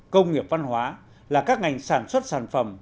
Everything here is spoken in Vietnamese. công nghiệp văn hóa là các ngành sản xuất sản phẩm